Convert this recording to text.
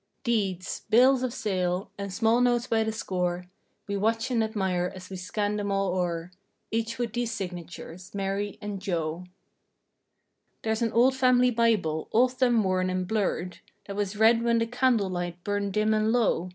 Deeds, bills of sale, and small notes by the score; We watch and admire as we scan them all o'er— Each with these signatures: "Mary and Joe." There's an old family Bible, all thumb worn and blurred. That was read when the candle light burned dim and low.